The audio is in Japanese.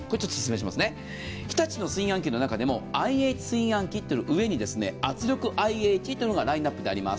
日立の炊飯器の中でもＩＨ炊飯器という上に圧力炊飯器というのがラインナップであります。